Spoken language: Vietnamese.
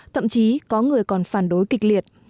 thậm chí có người còn phản đối kịch liệt